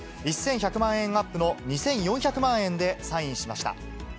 １１００万円アップの２４００万円でサインしました。